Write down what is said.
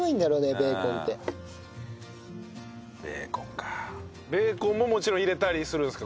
ベーコンももちろん入れたりするんですか？